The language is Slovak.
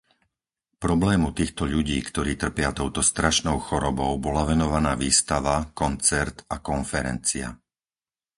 Problému týchto ľudí, ktorí trpia touto strašnou chorobou bola venovaná výstava, koncert a konferencia.